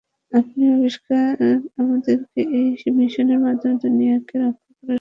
আপনার আবিষ্কার আমাদেরকে এই মিশনের মাধ্যমে দুনিয়াকে রক্ষার সুযোগ করে দিয়েছে।